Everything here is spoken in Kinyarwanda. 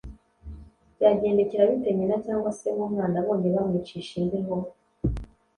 Byagendekera bite nyina cyangwa se w'umwana abonye bamwicisha imbeho,